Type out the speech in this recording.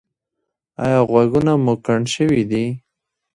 ایا غوږونه مو کڼ شوي دي؟